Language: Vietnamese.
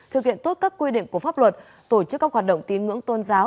thực hiện tốt các quy định của pháp luật tổ chức các hoạt động tín ngưỡng tôn giáo